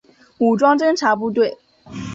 武装侦察部队。